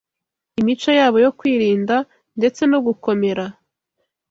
Imico yabo yo kwirinda ndetse no gukomera